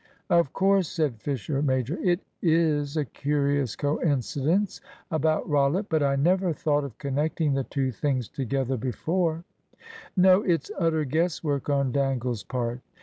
"Of course," said Fisher major, "it is a curious coincidence about Rollitt. But I never thought of connecting the two things together before." "No. It's utter guesswork on Dangle's part."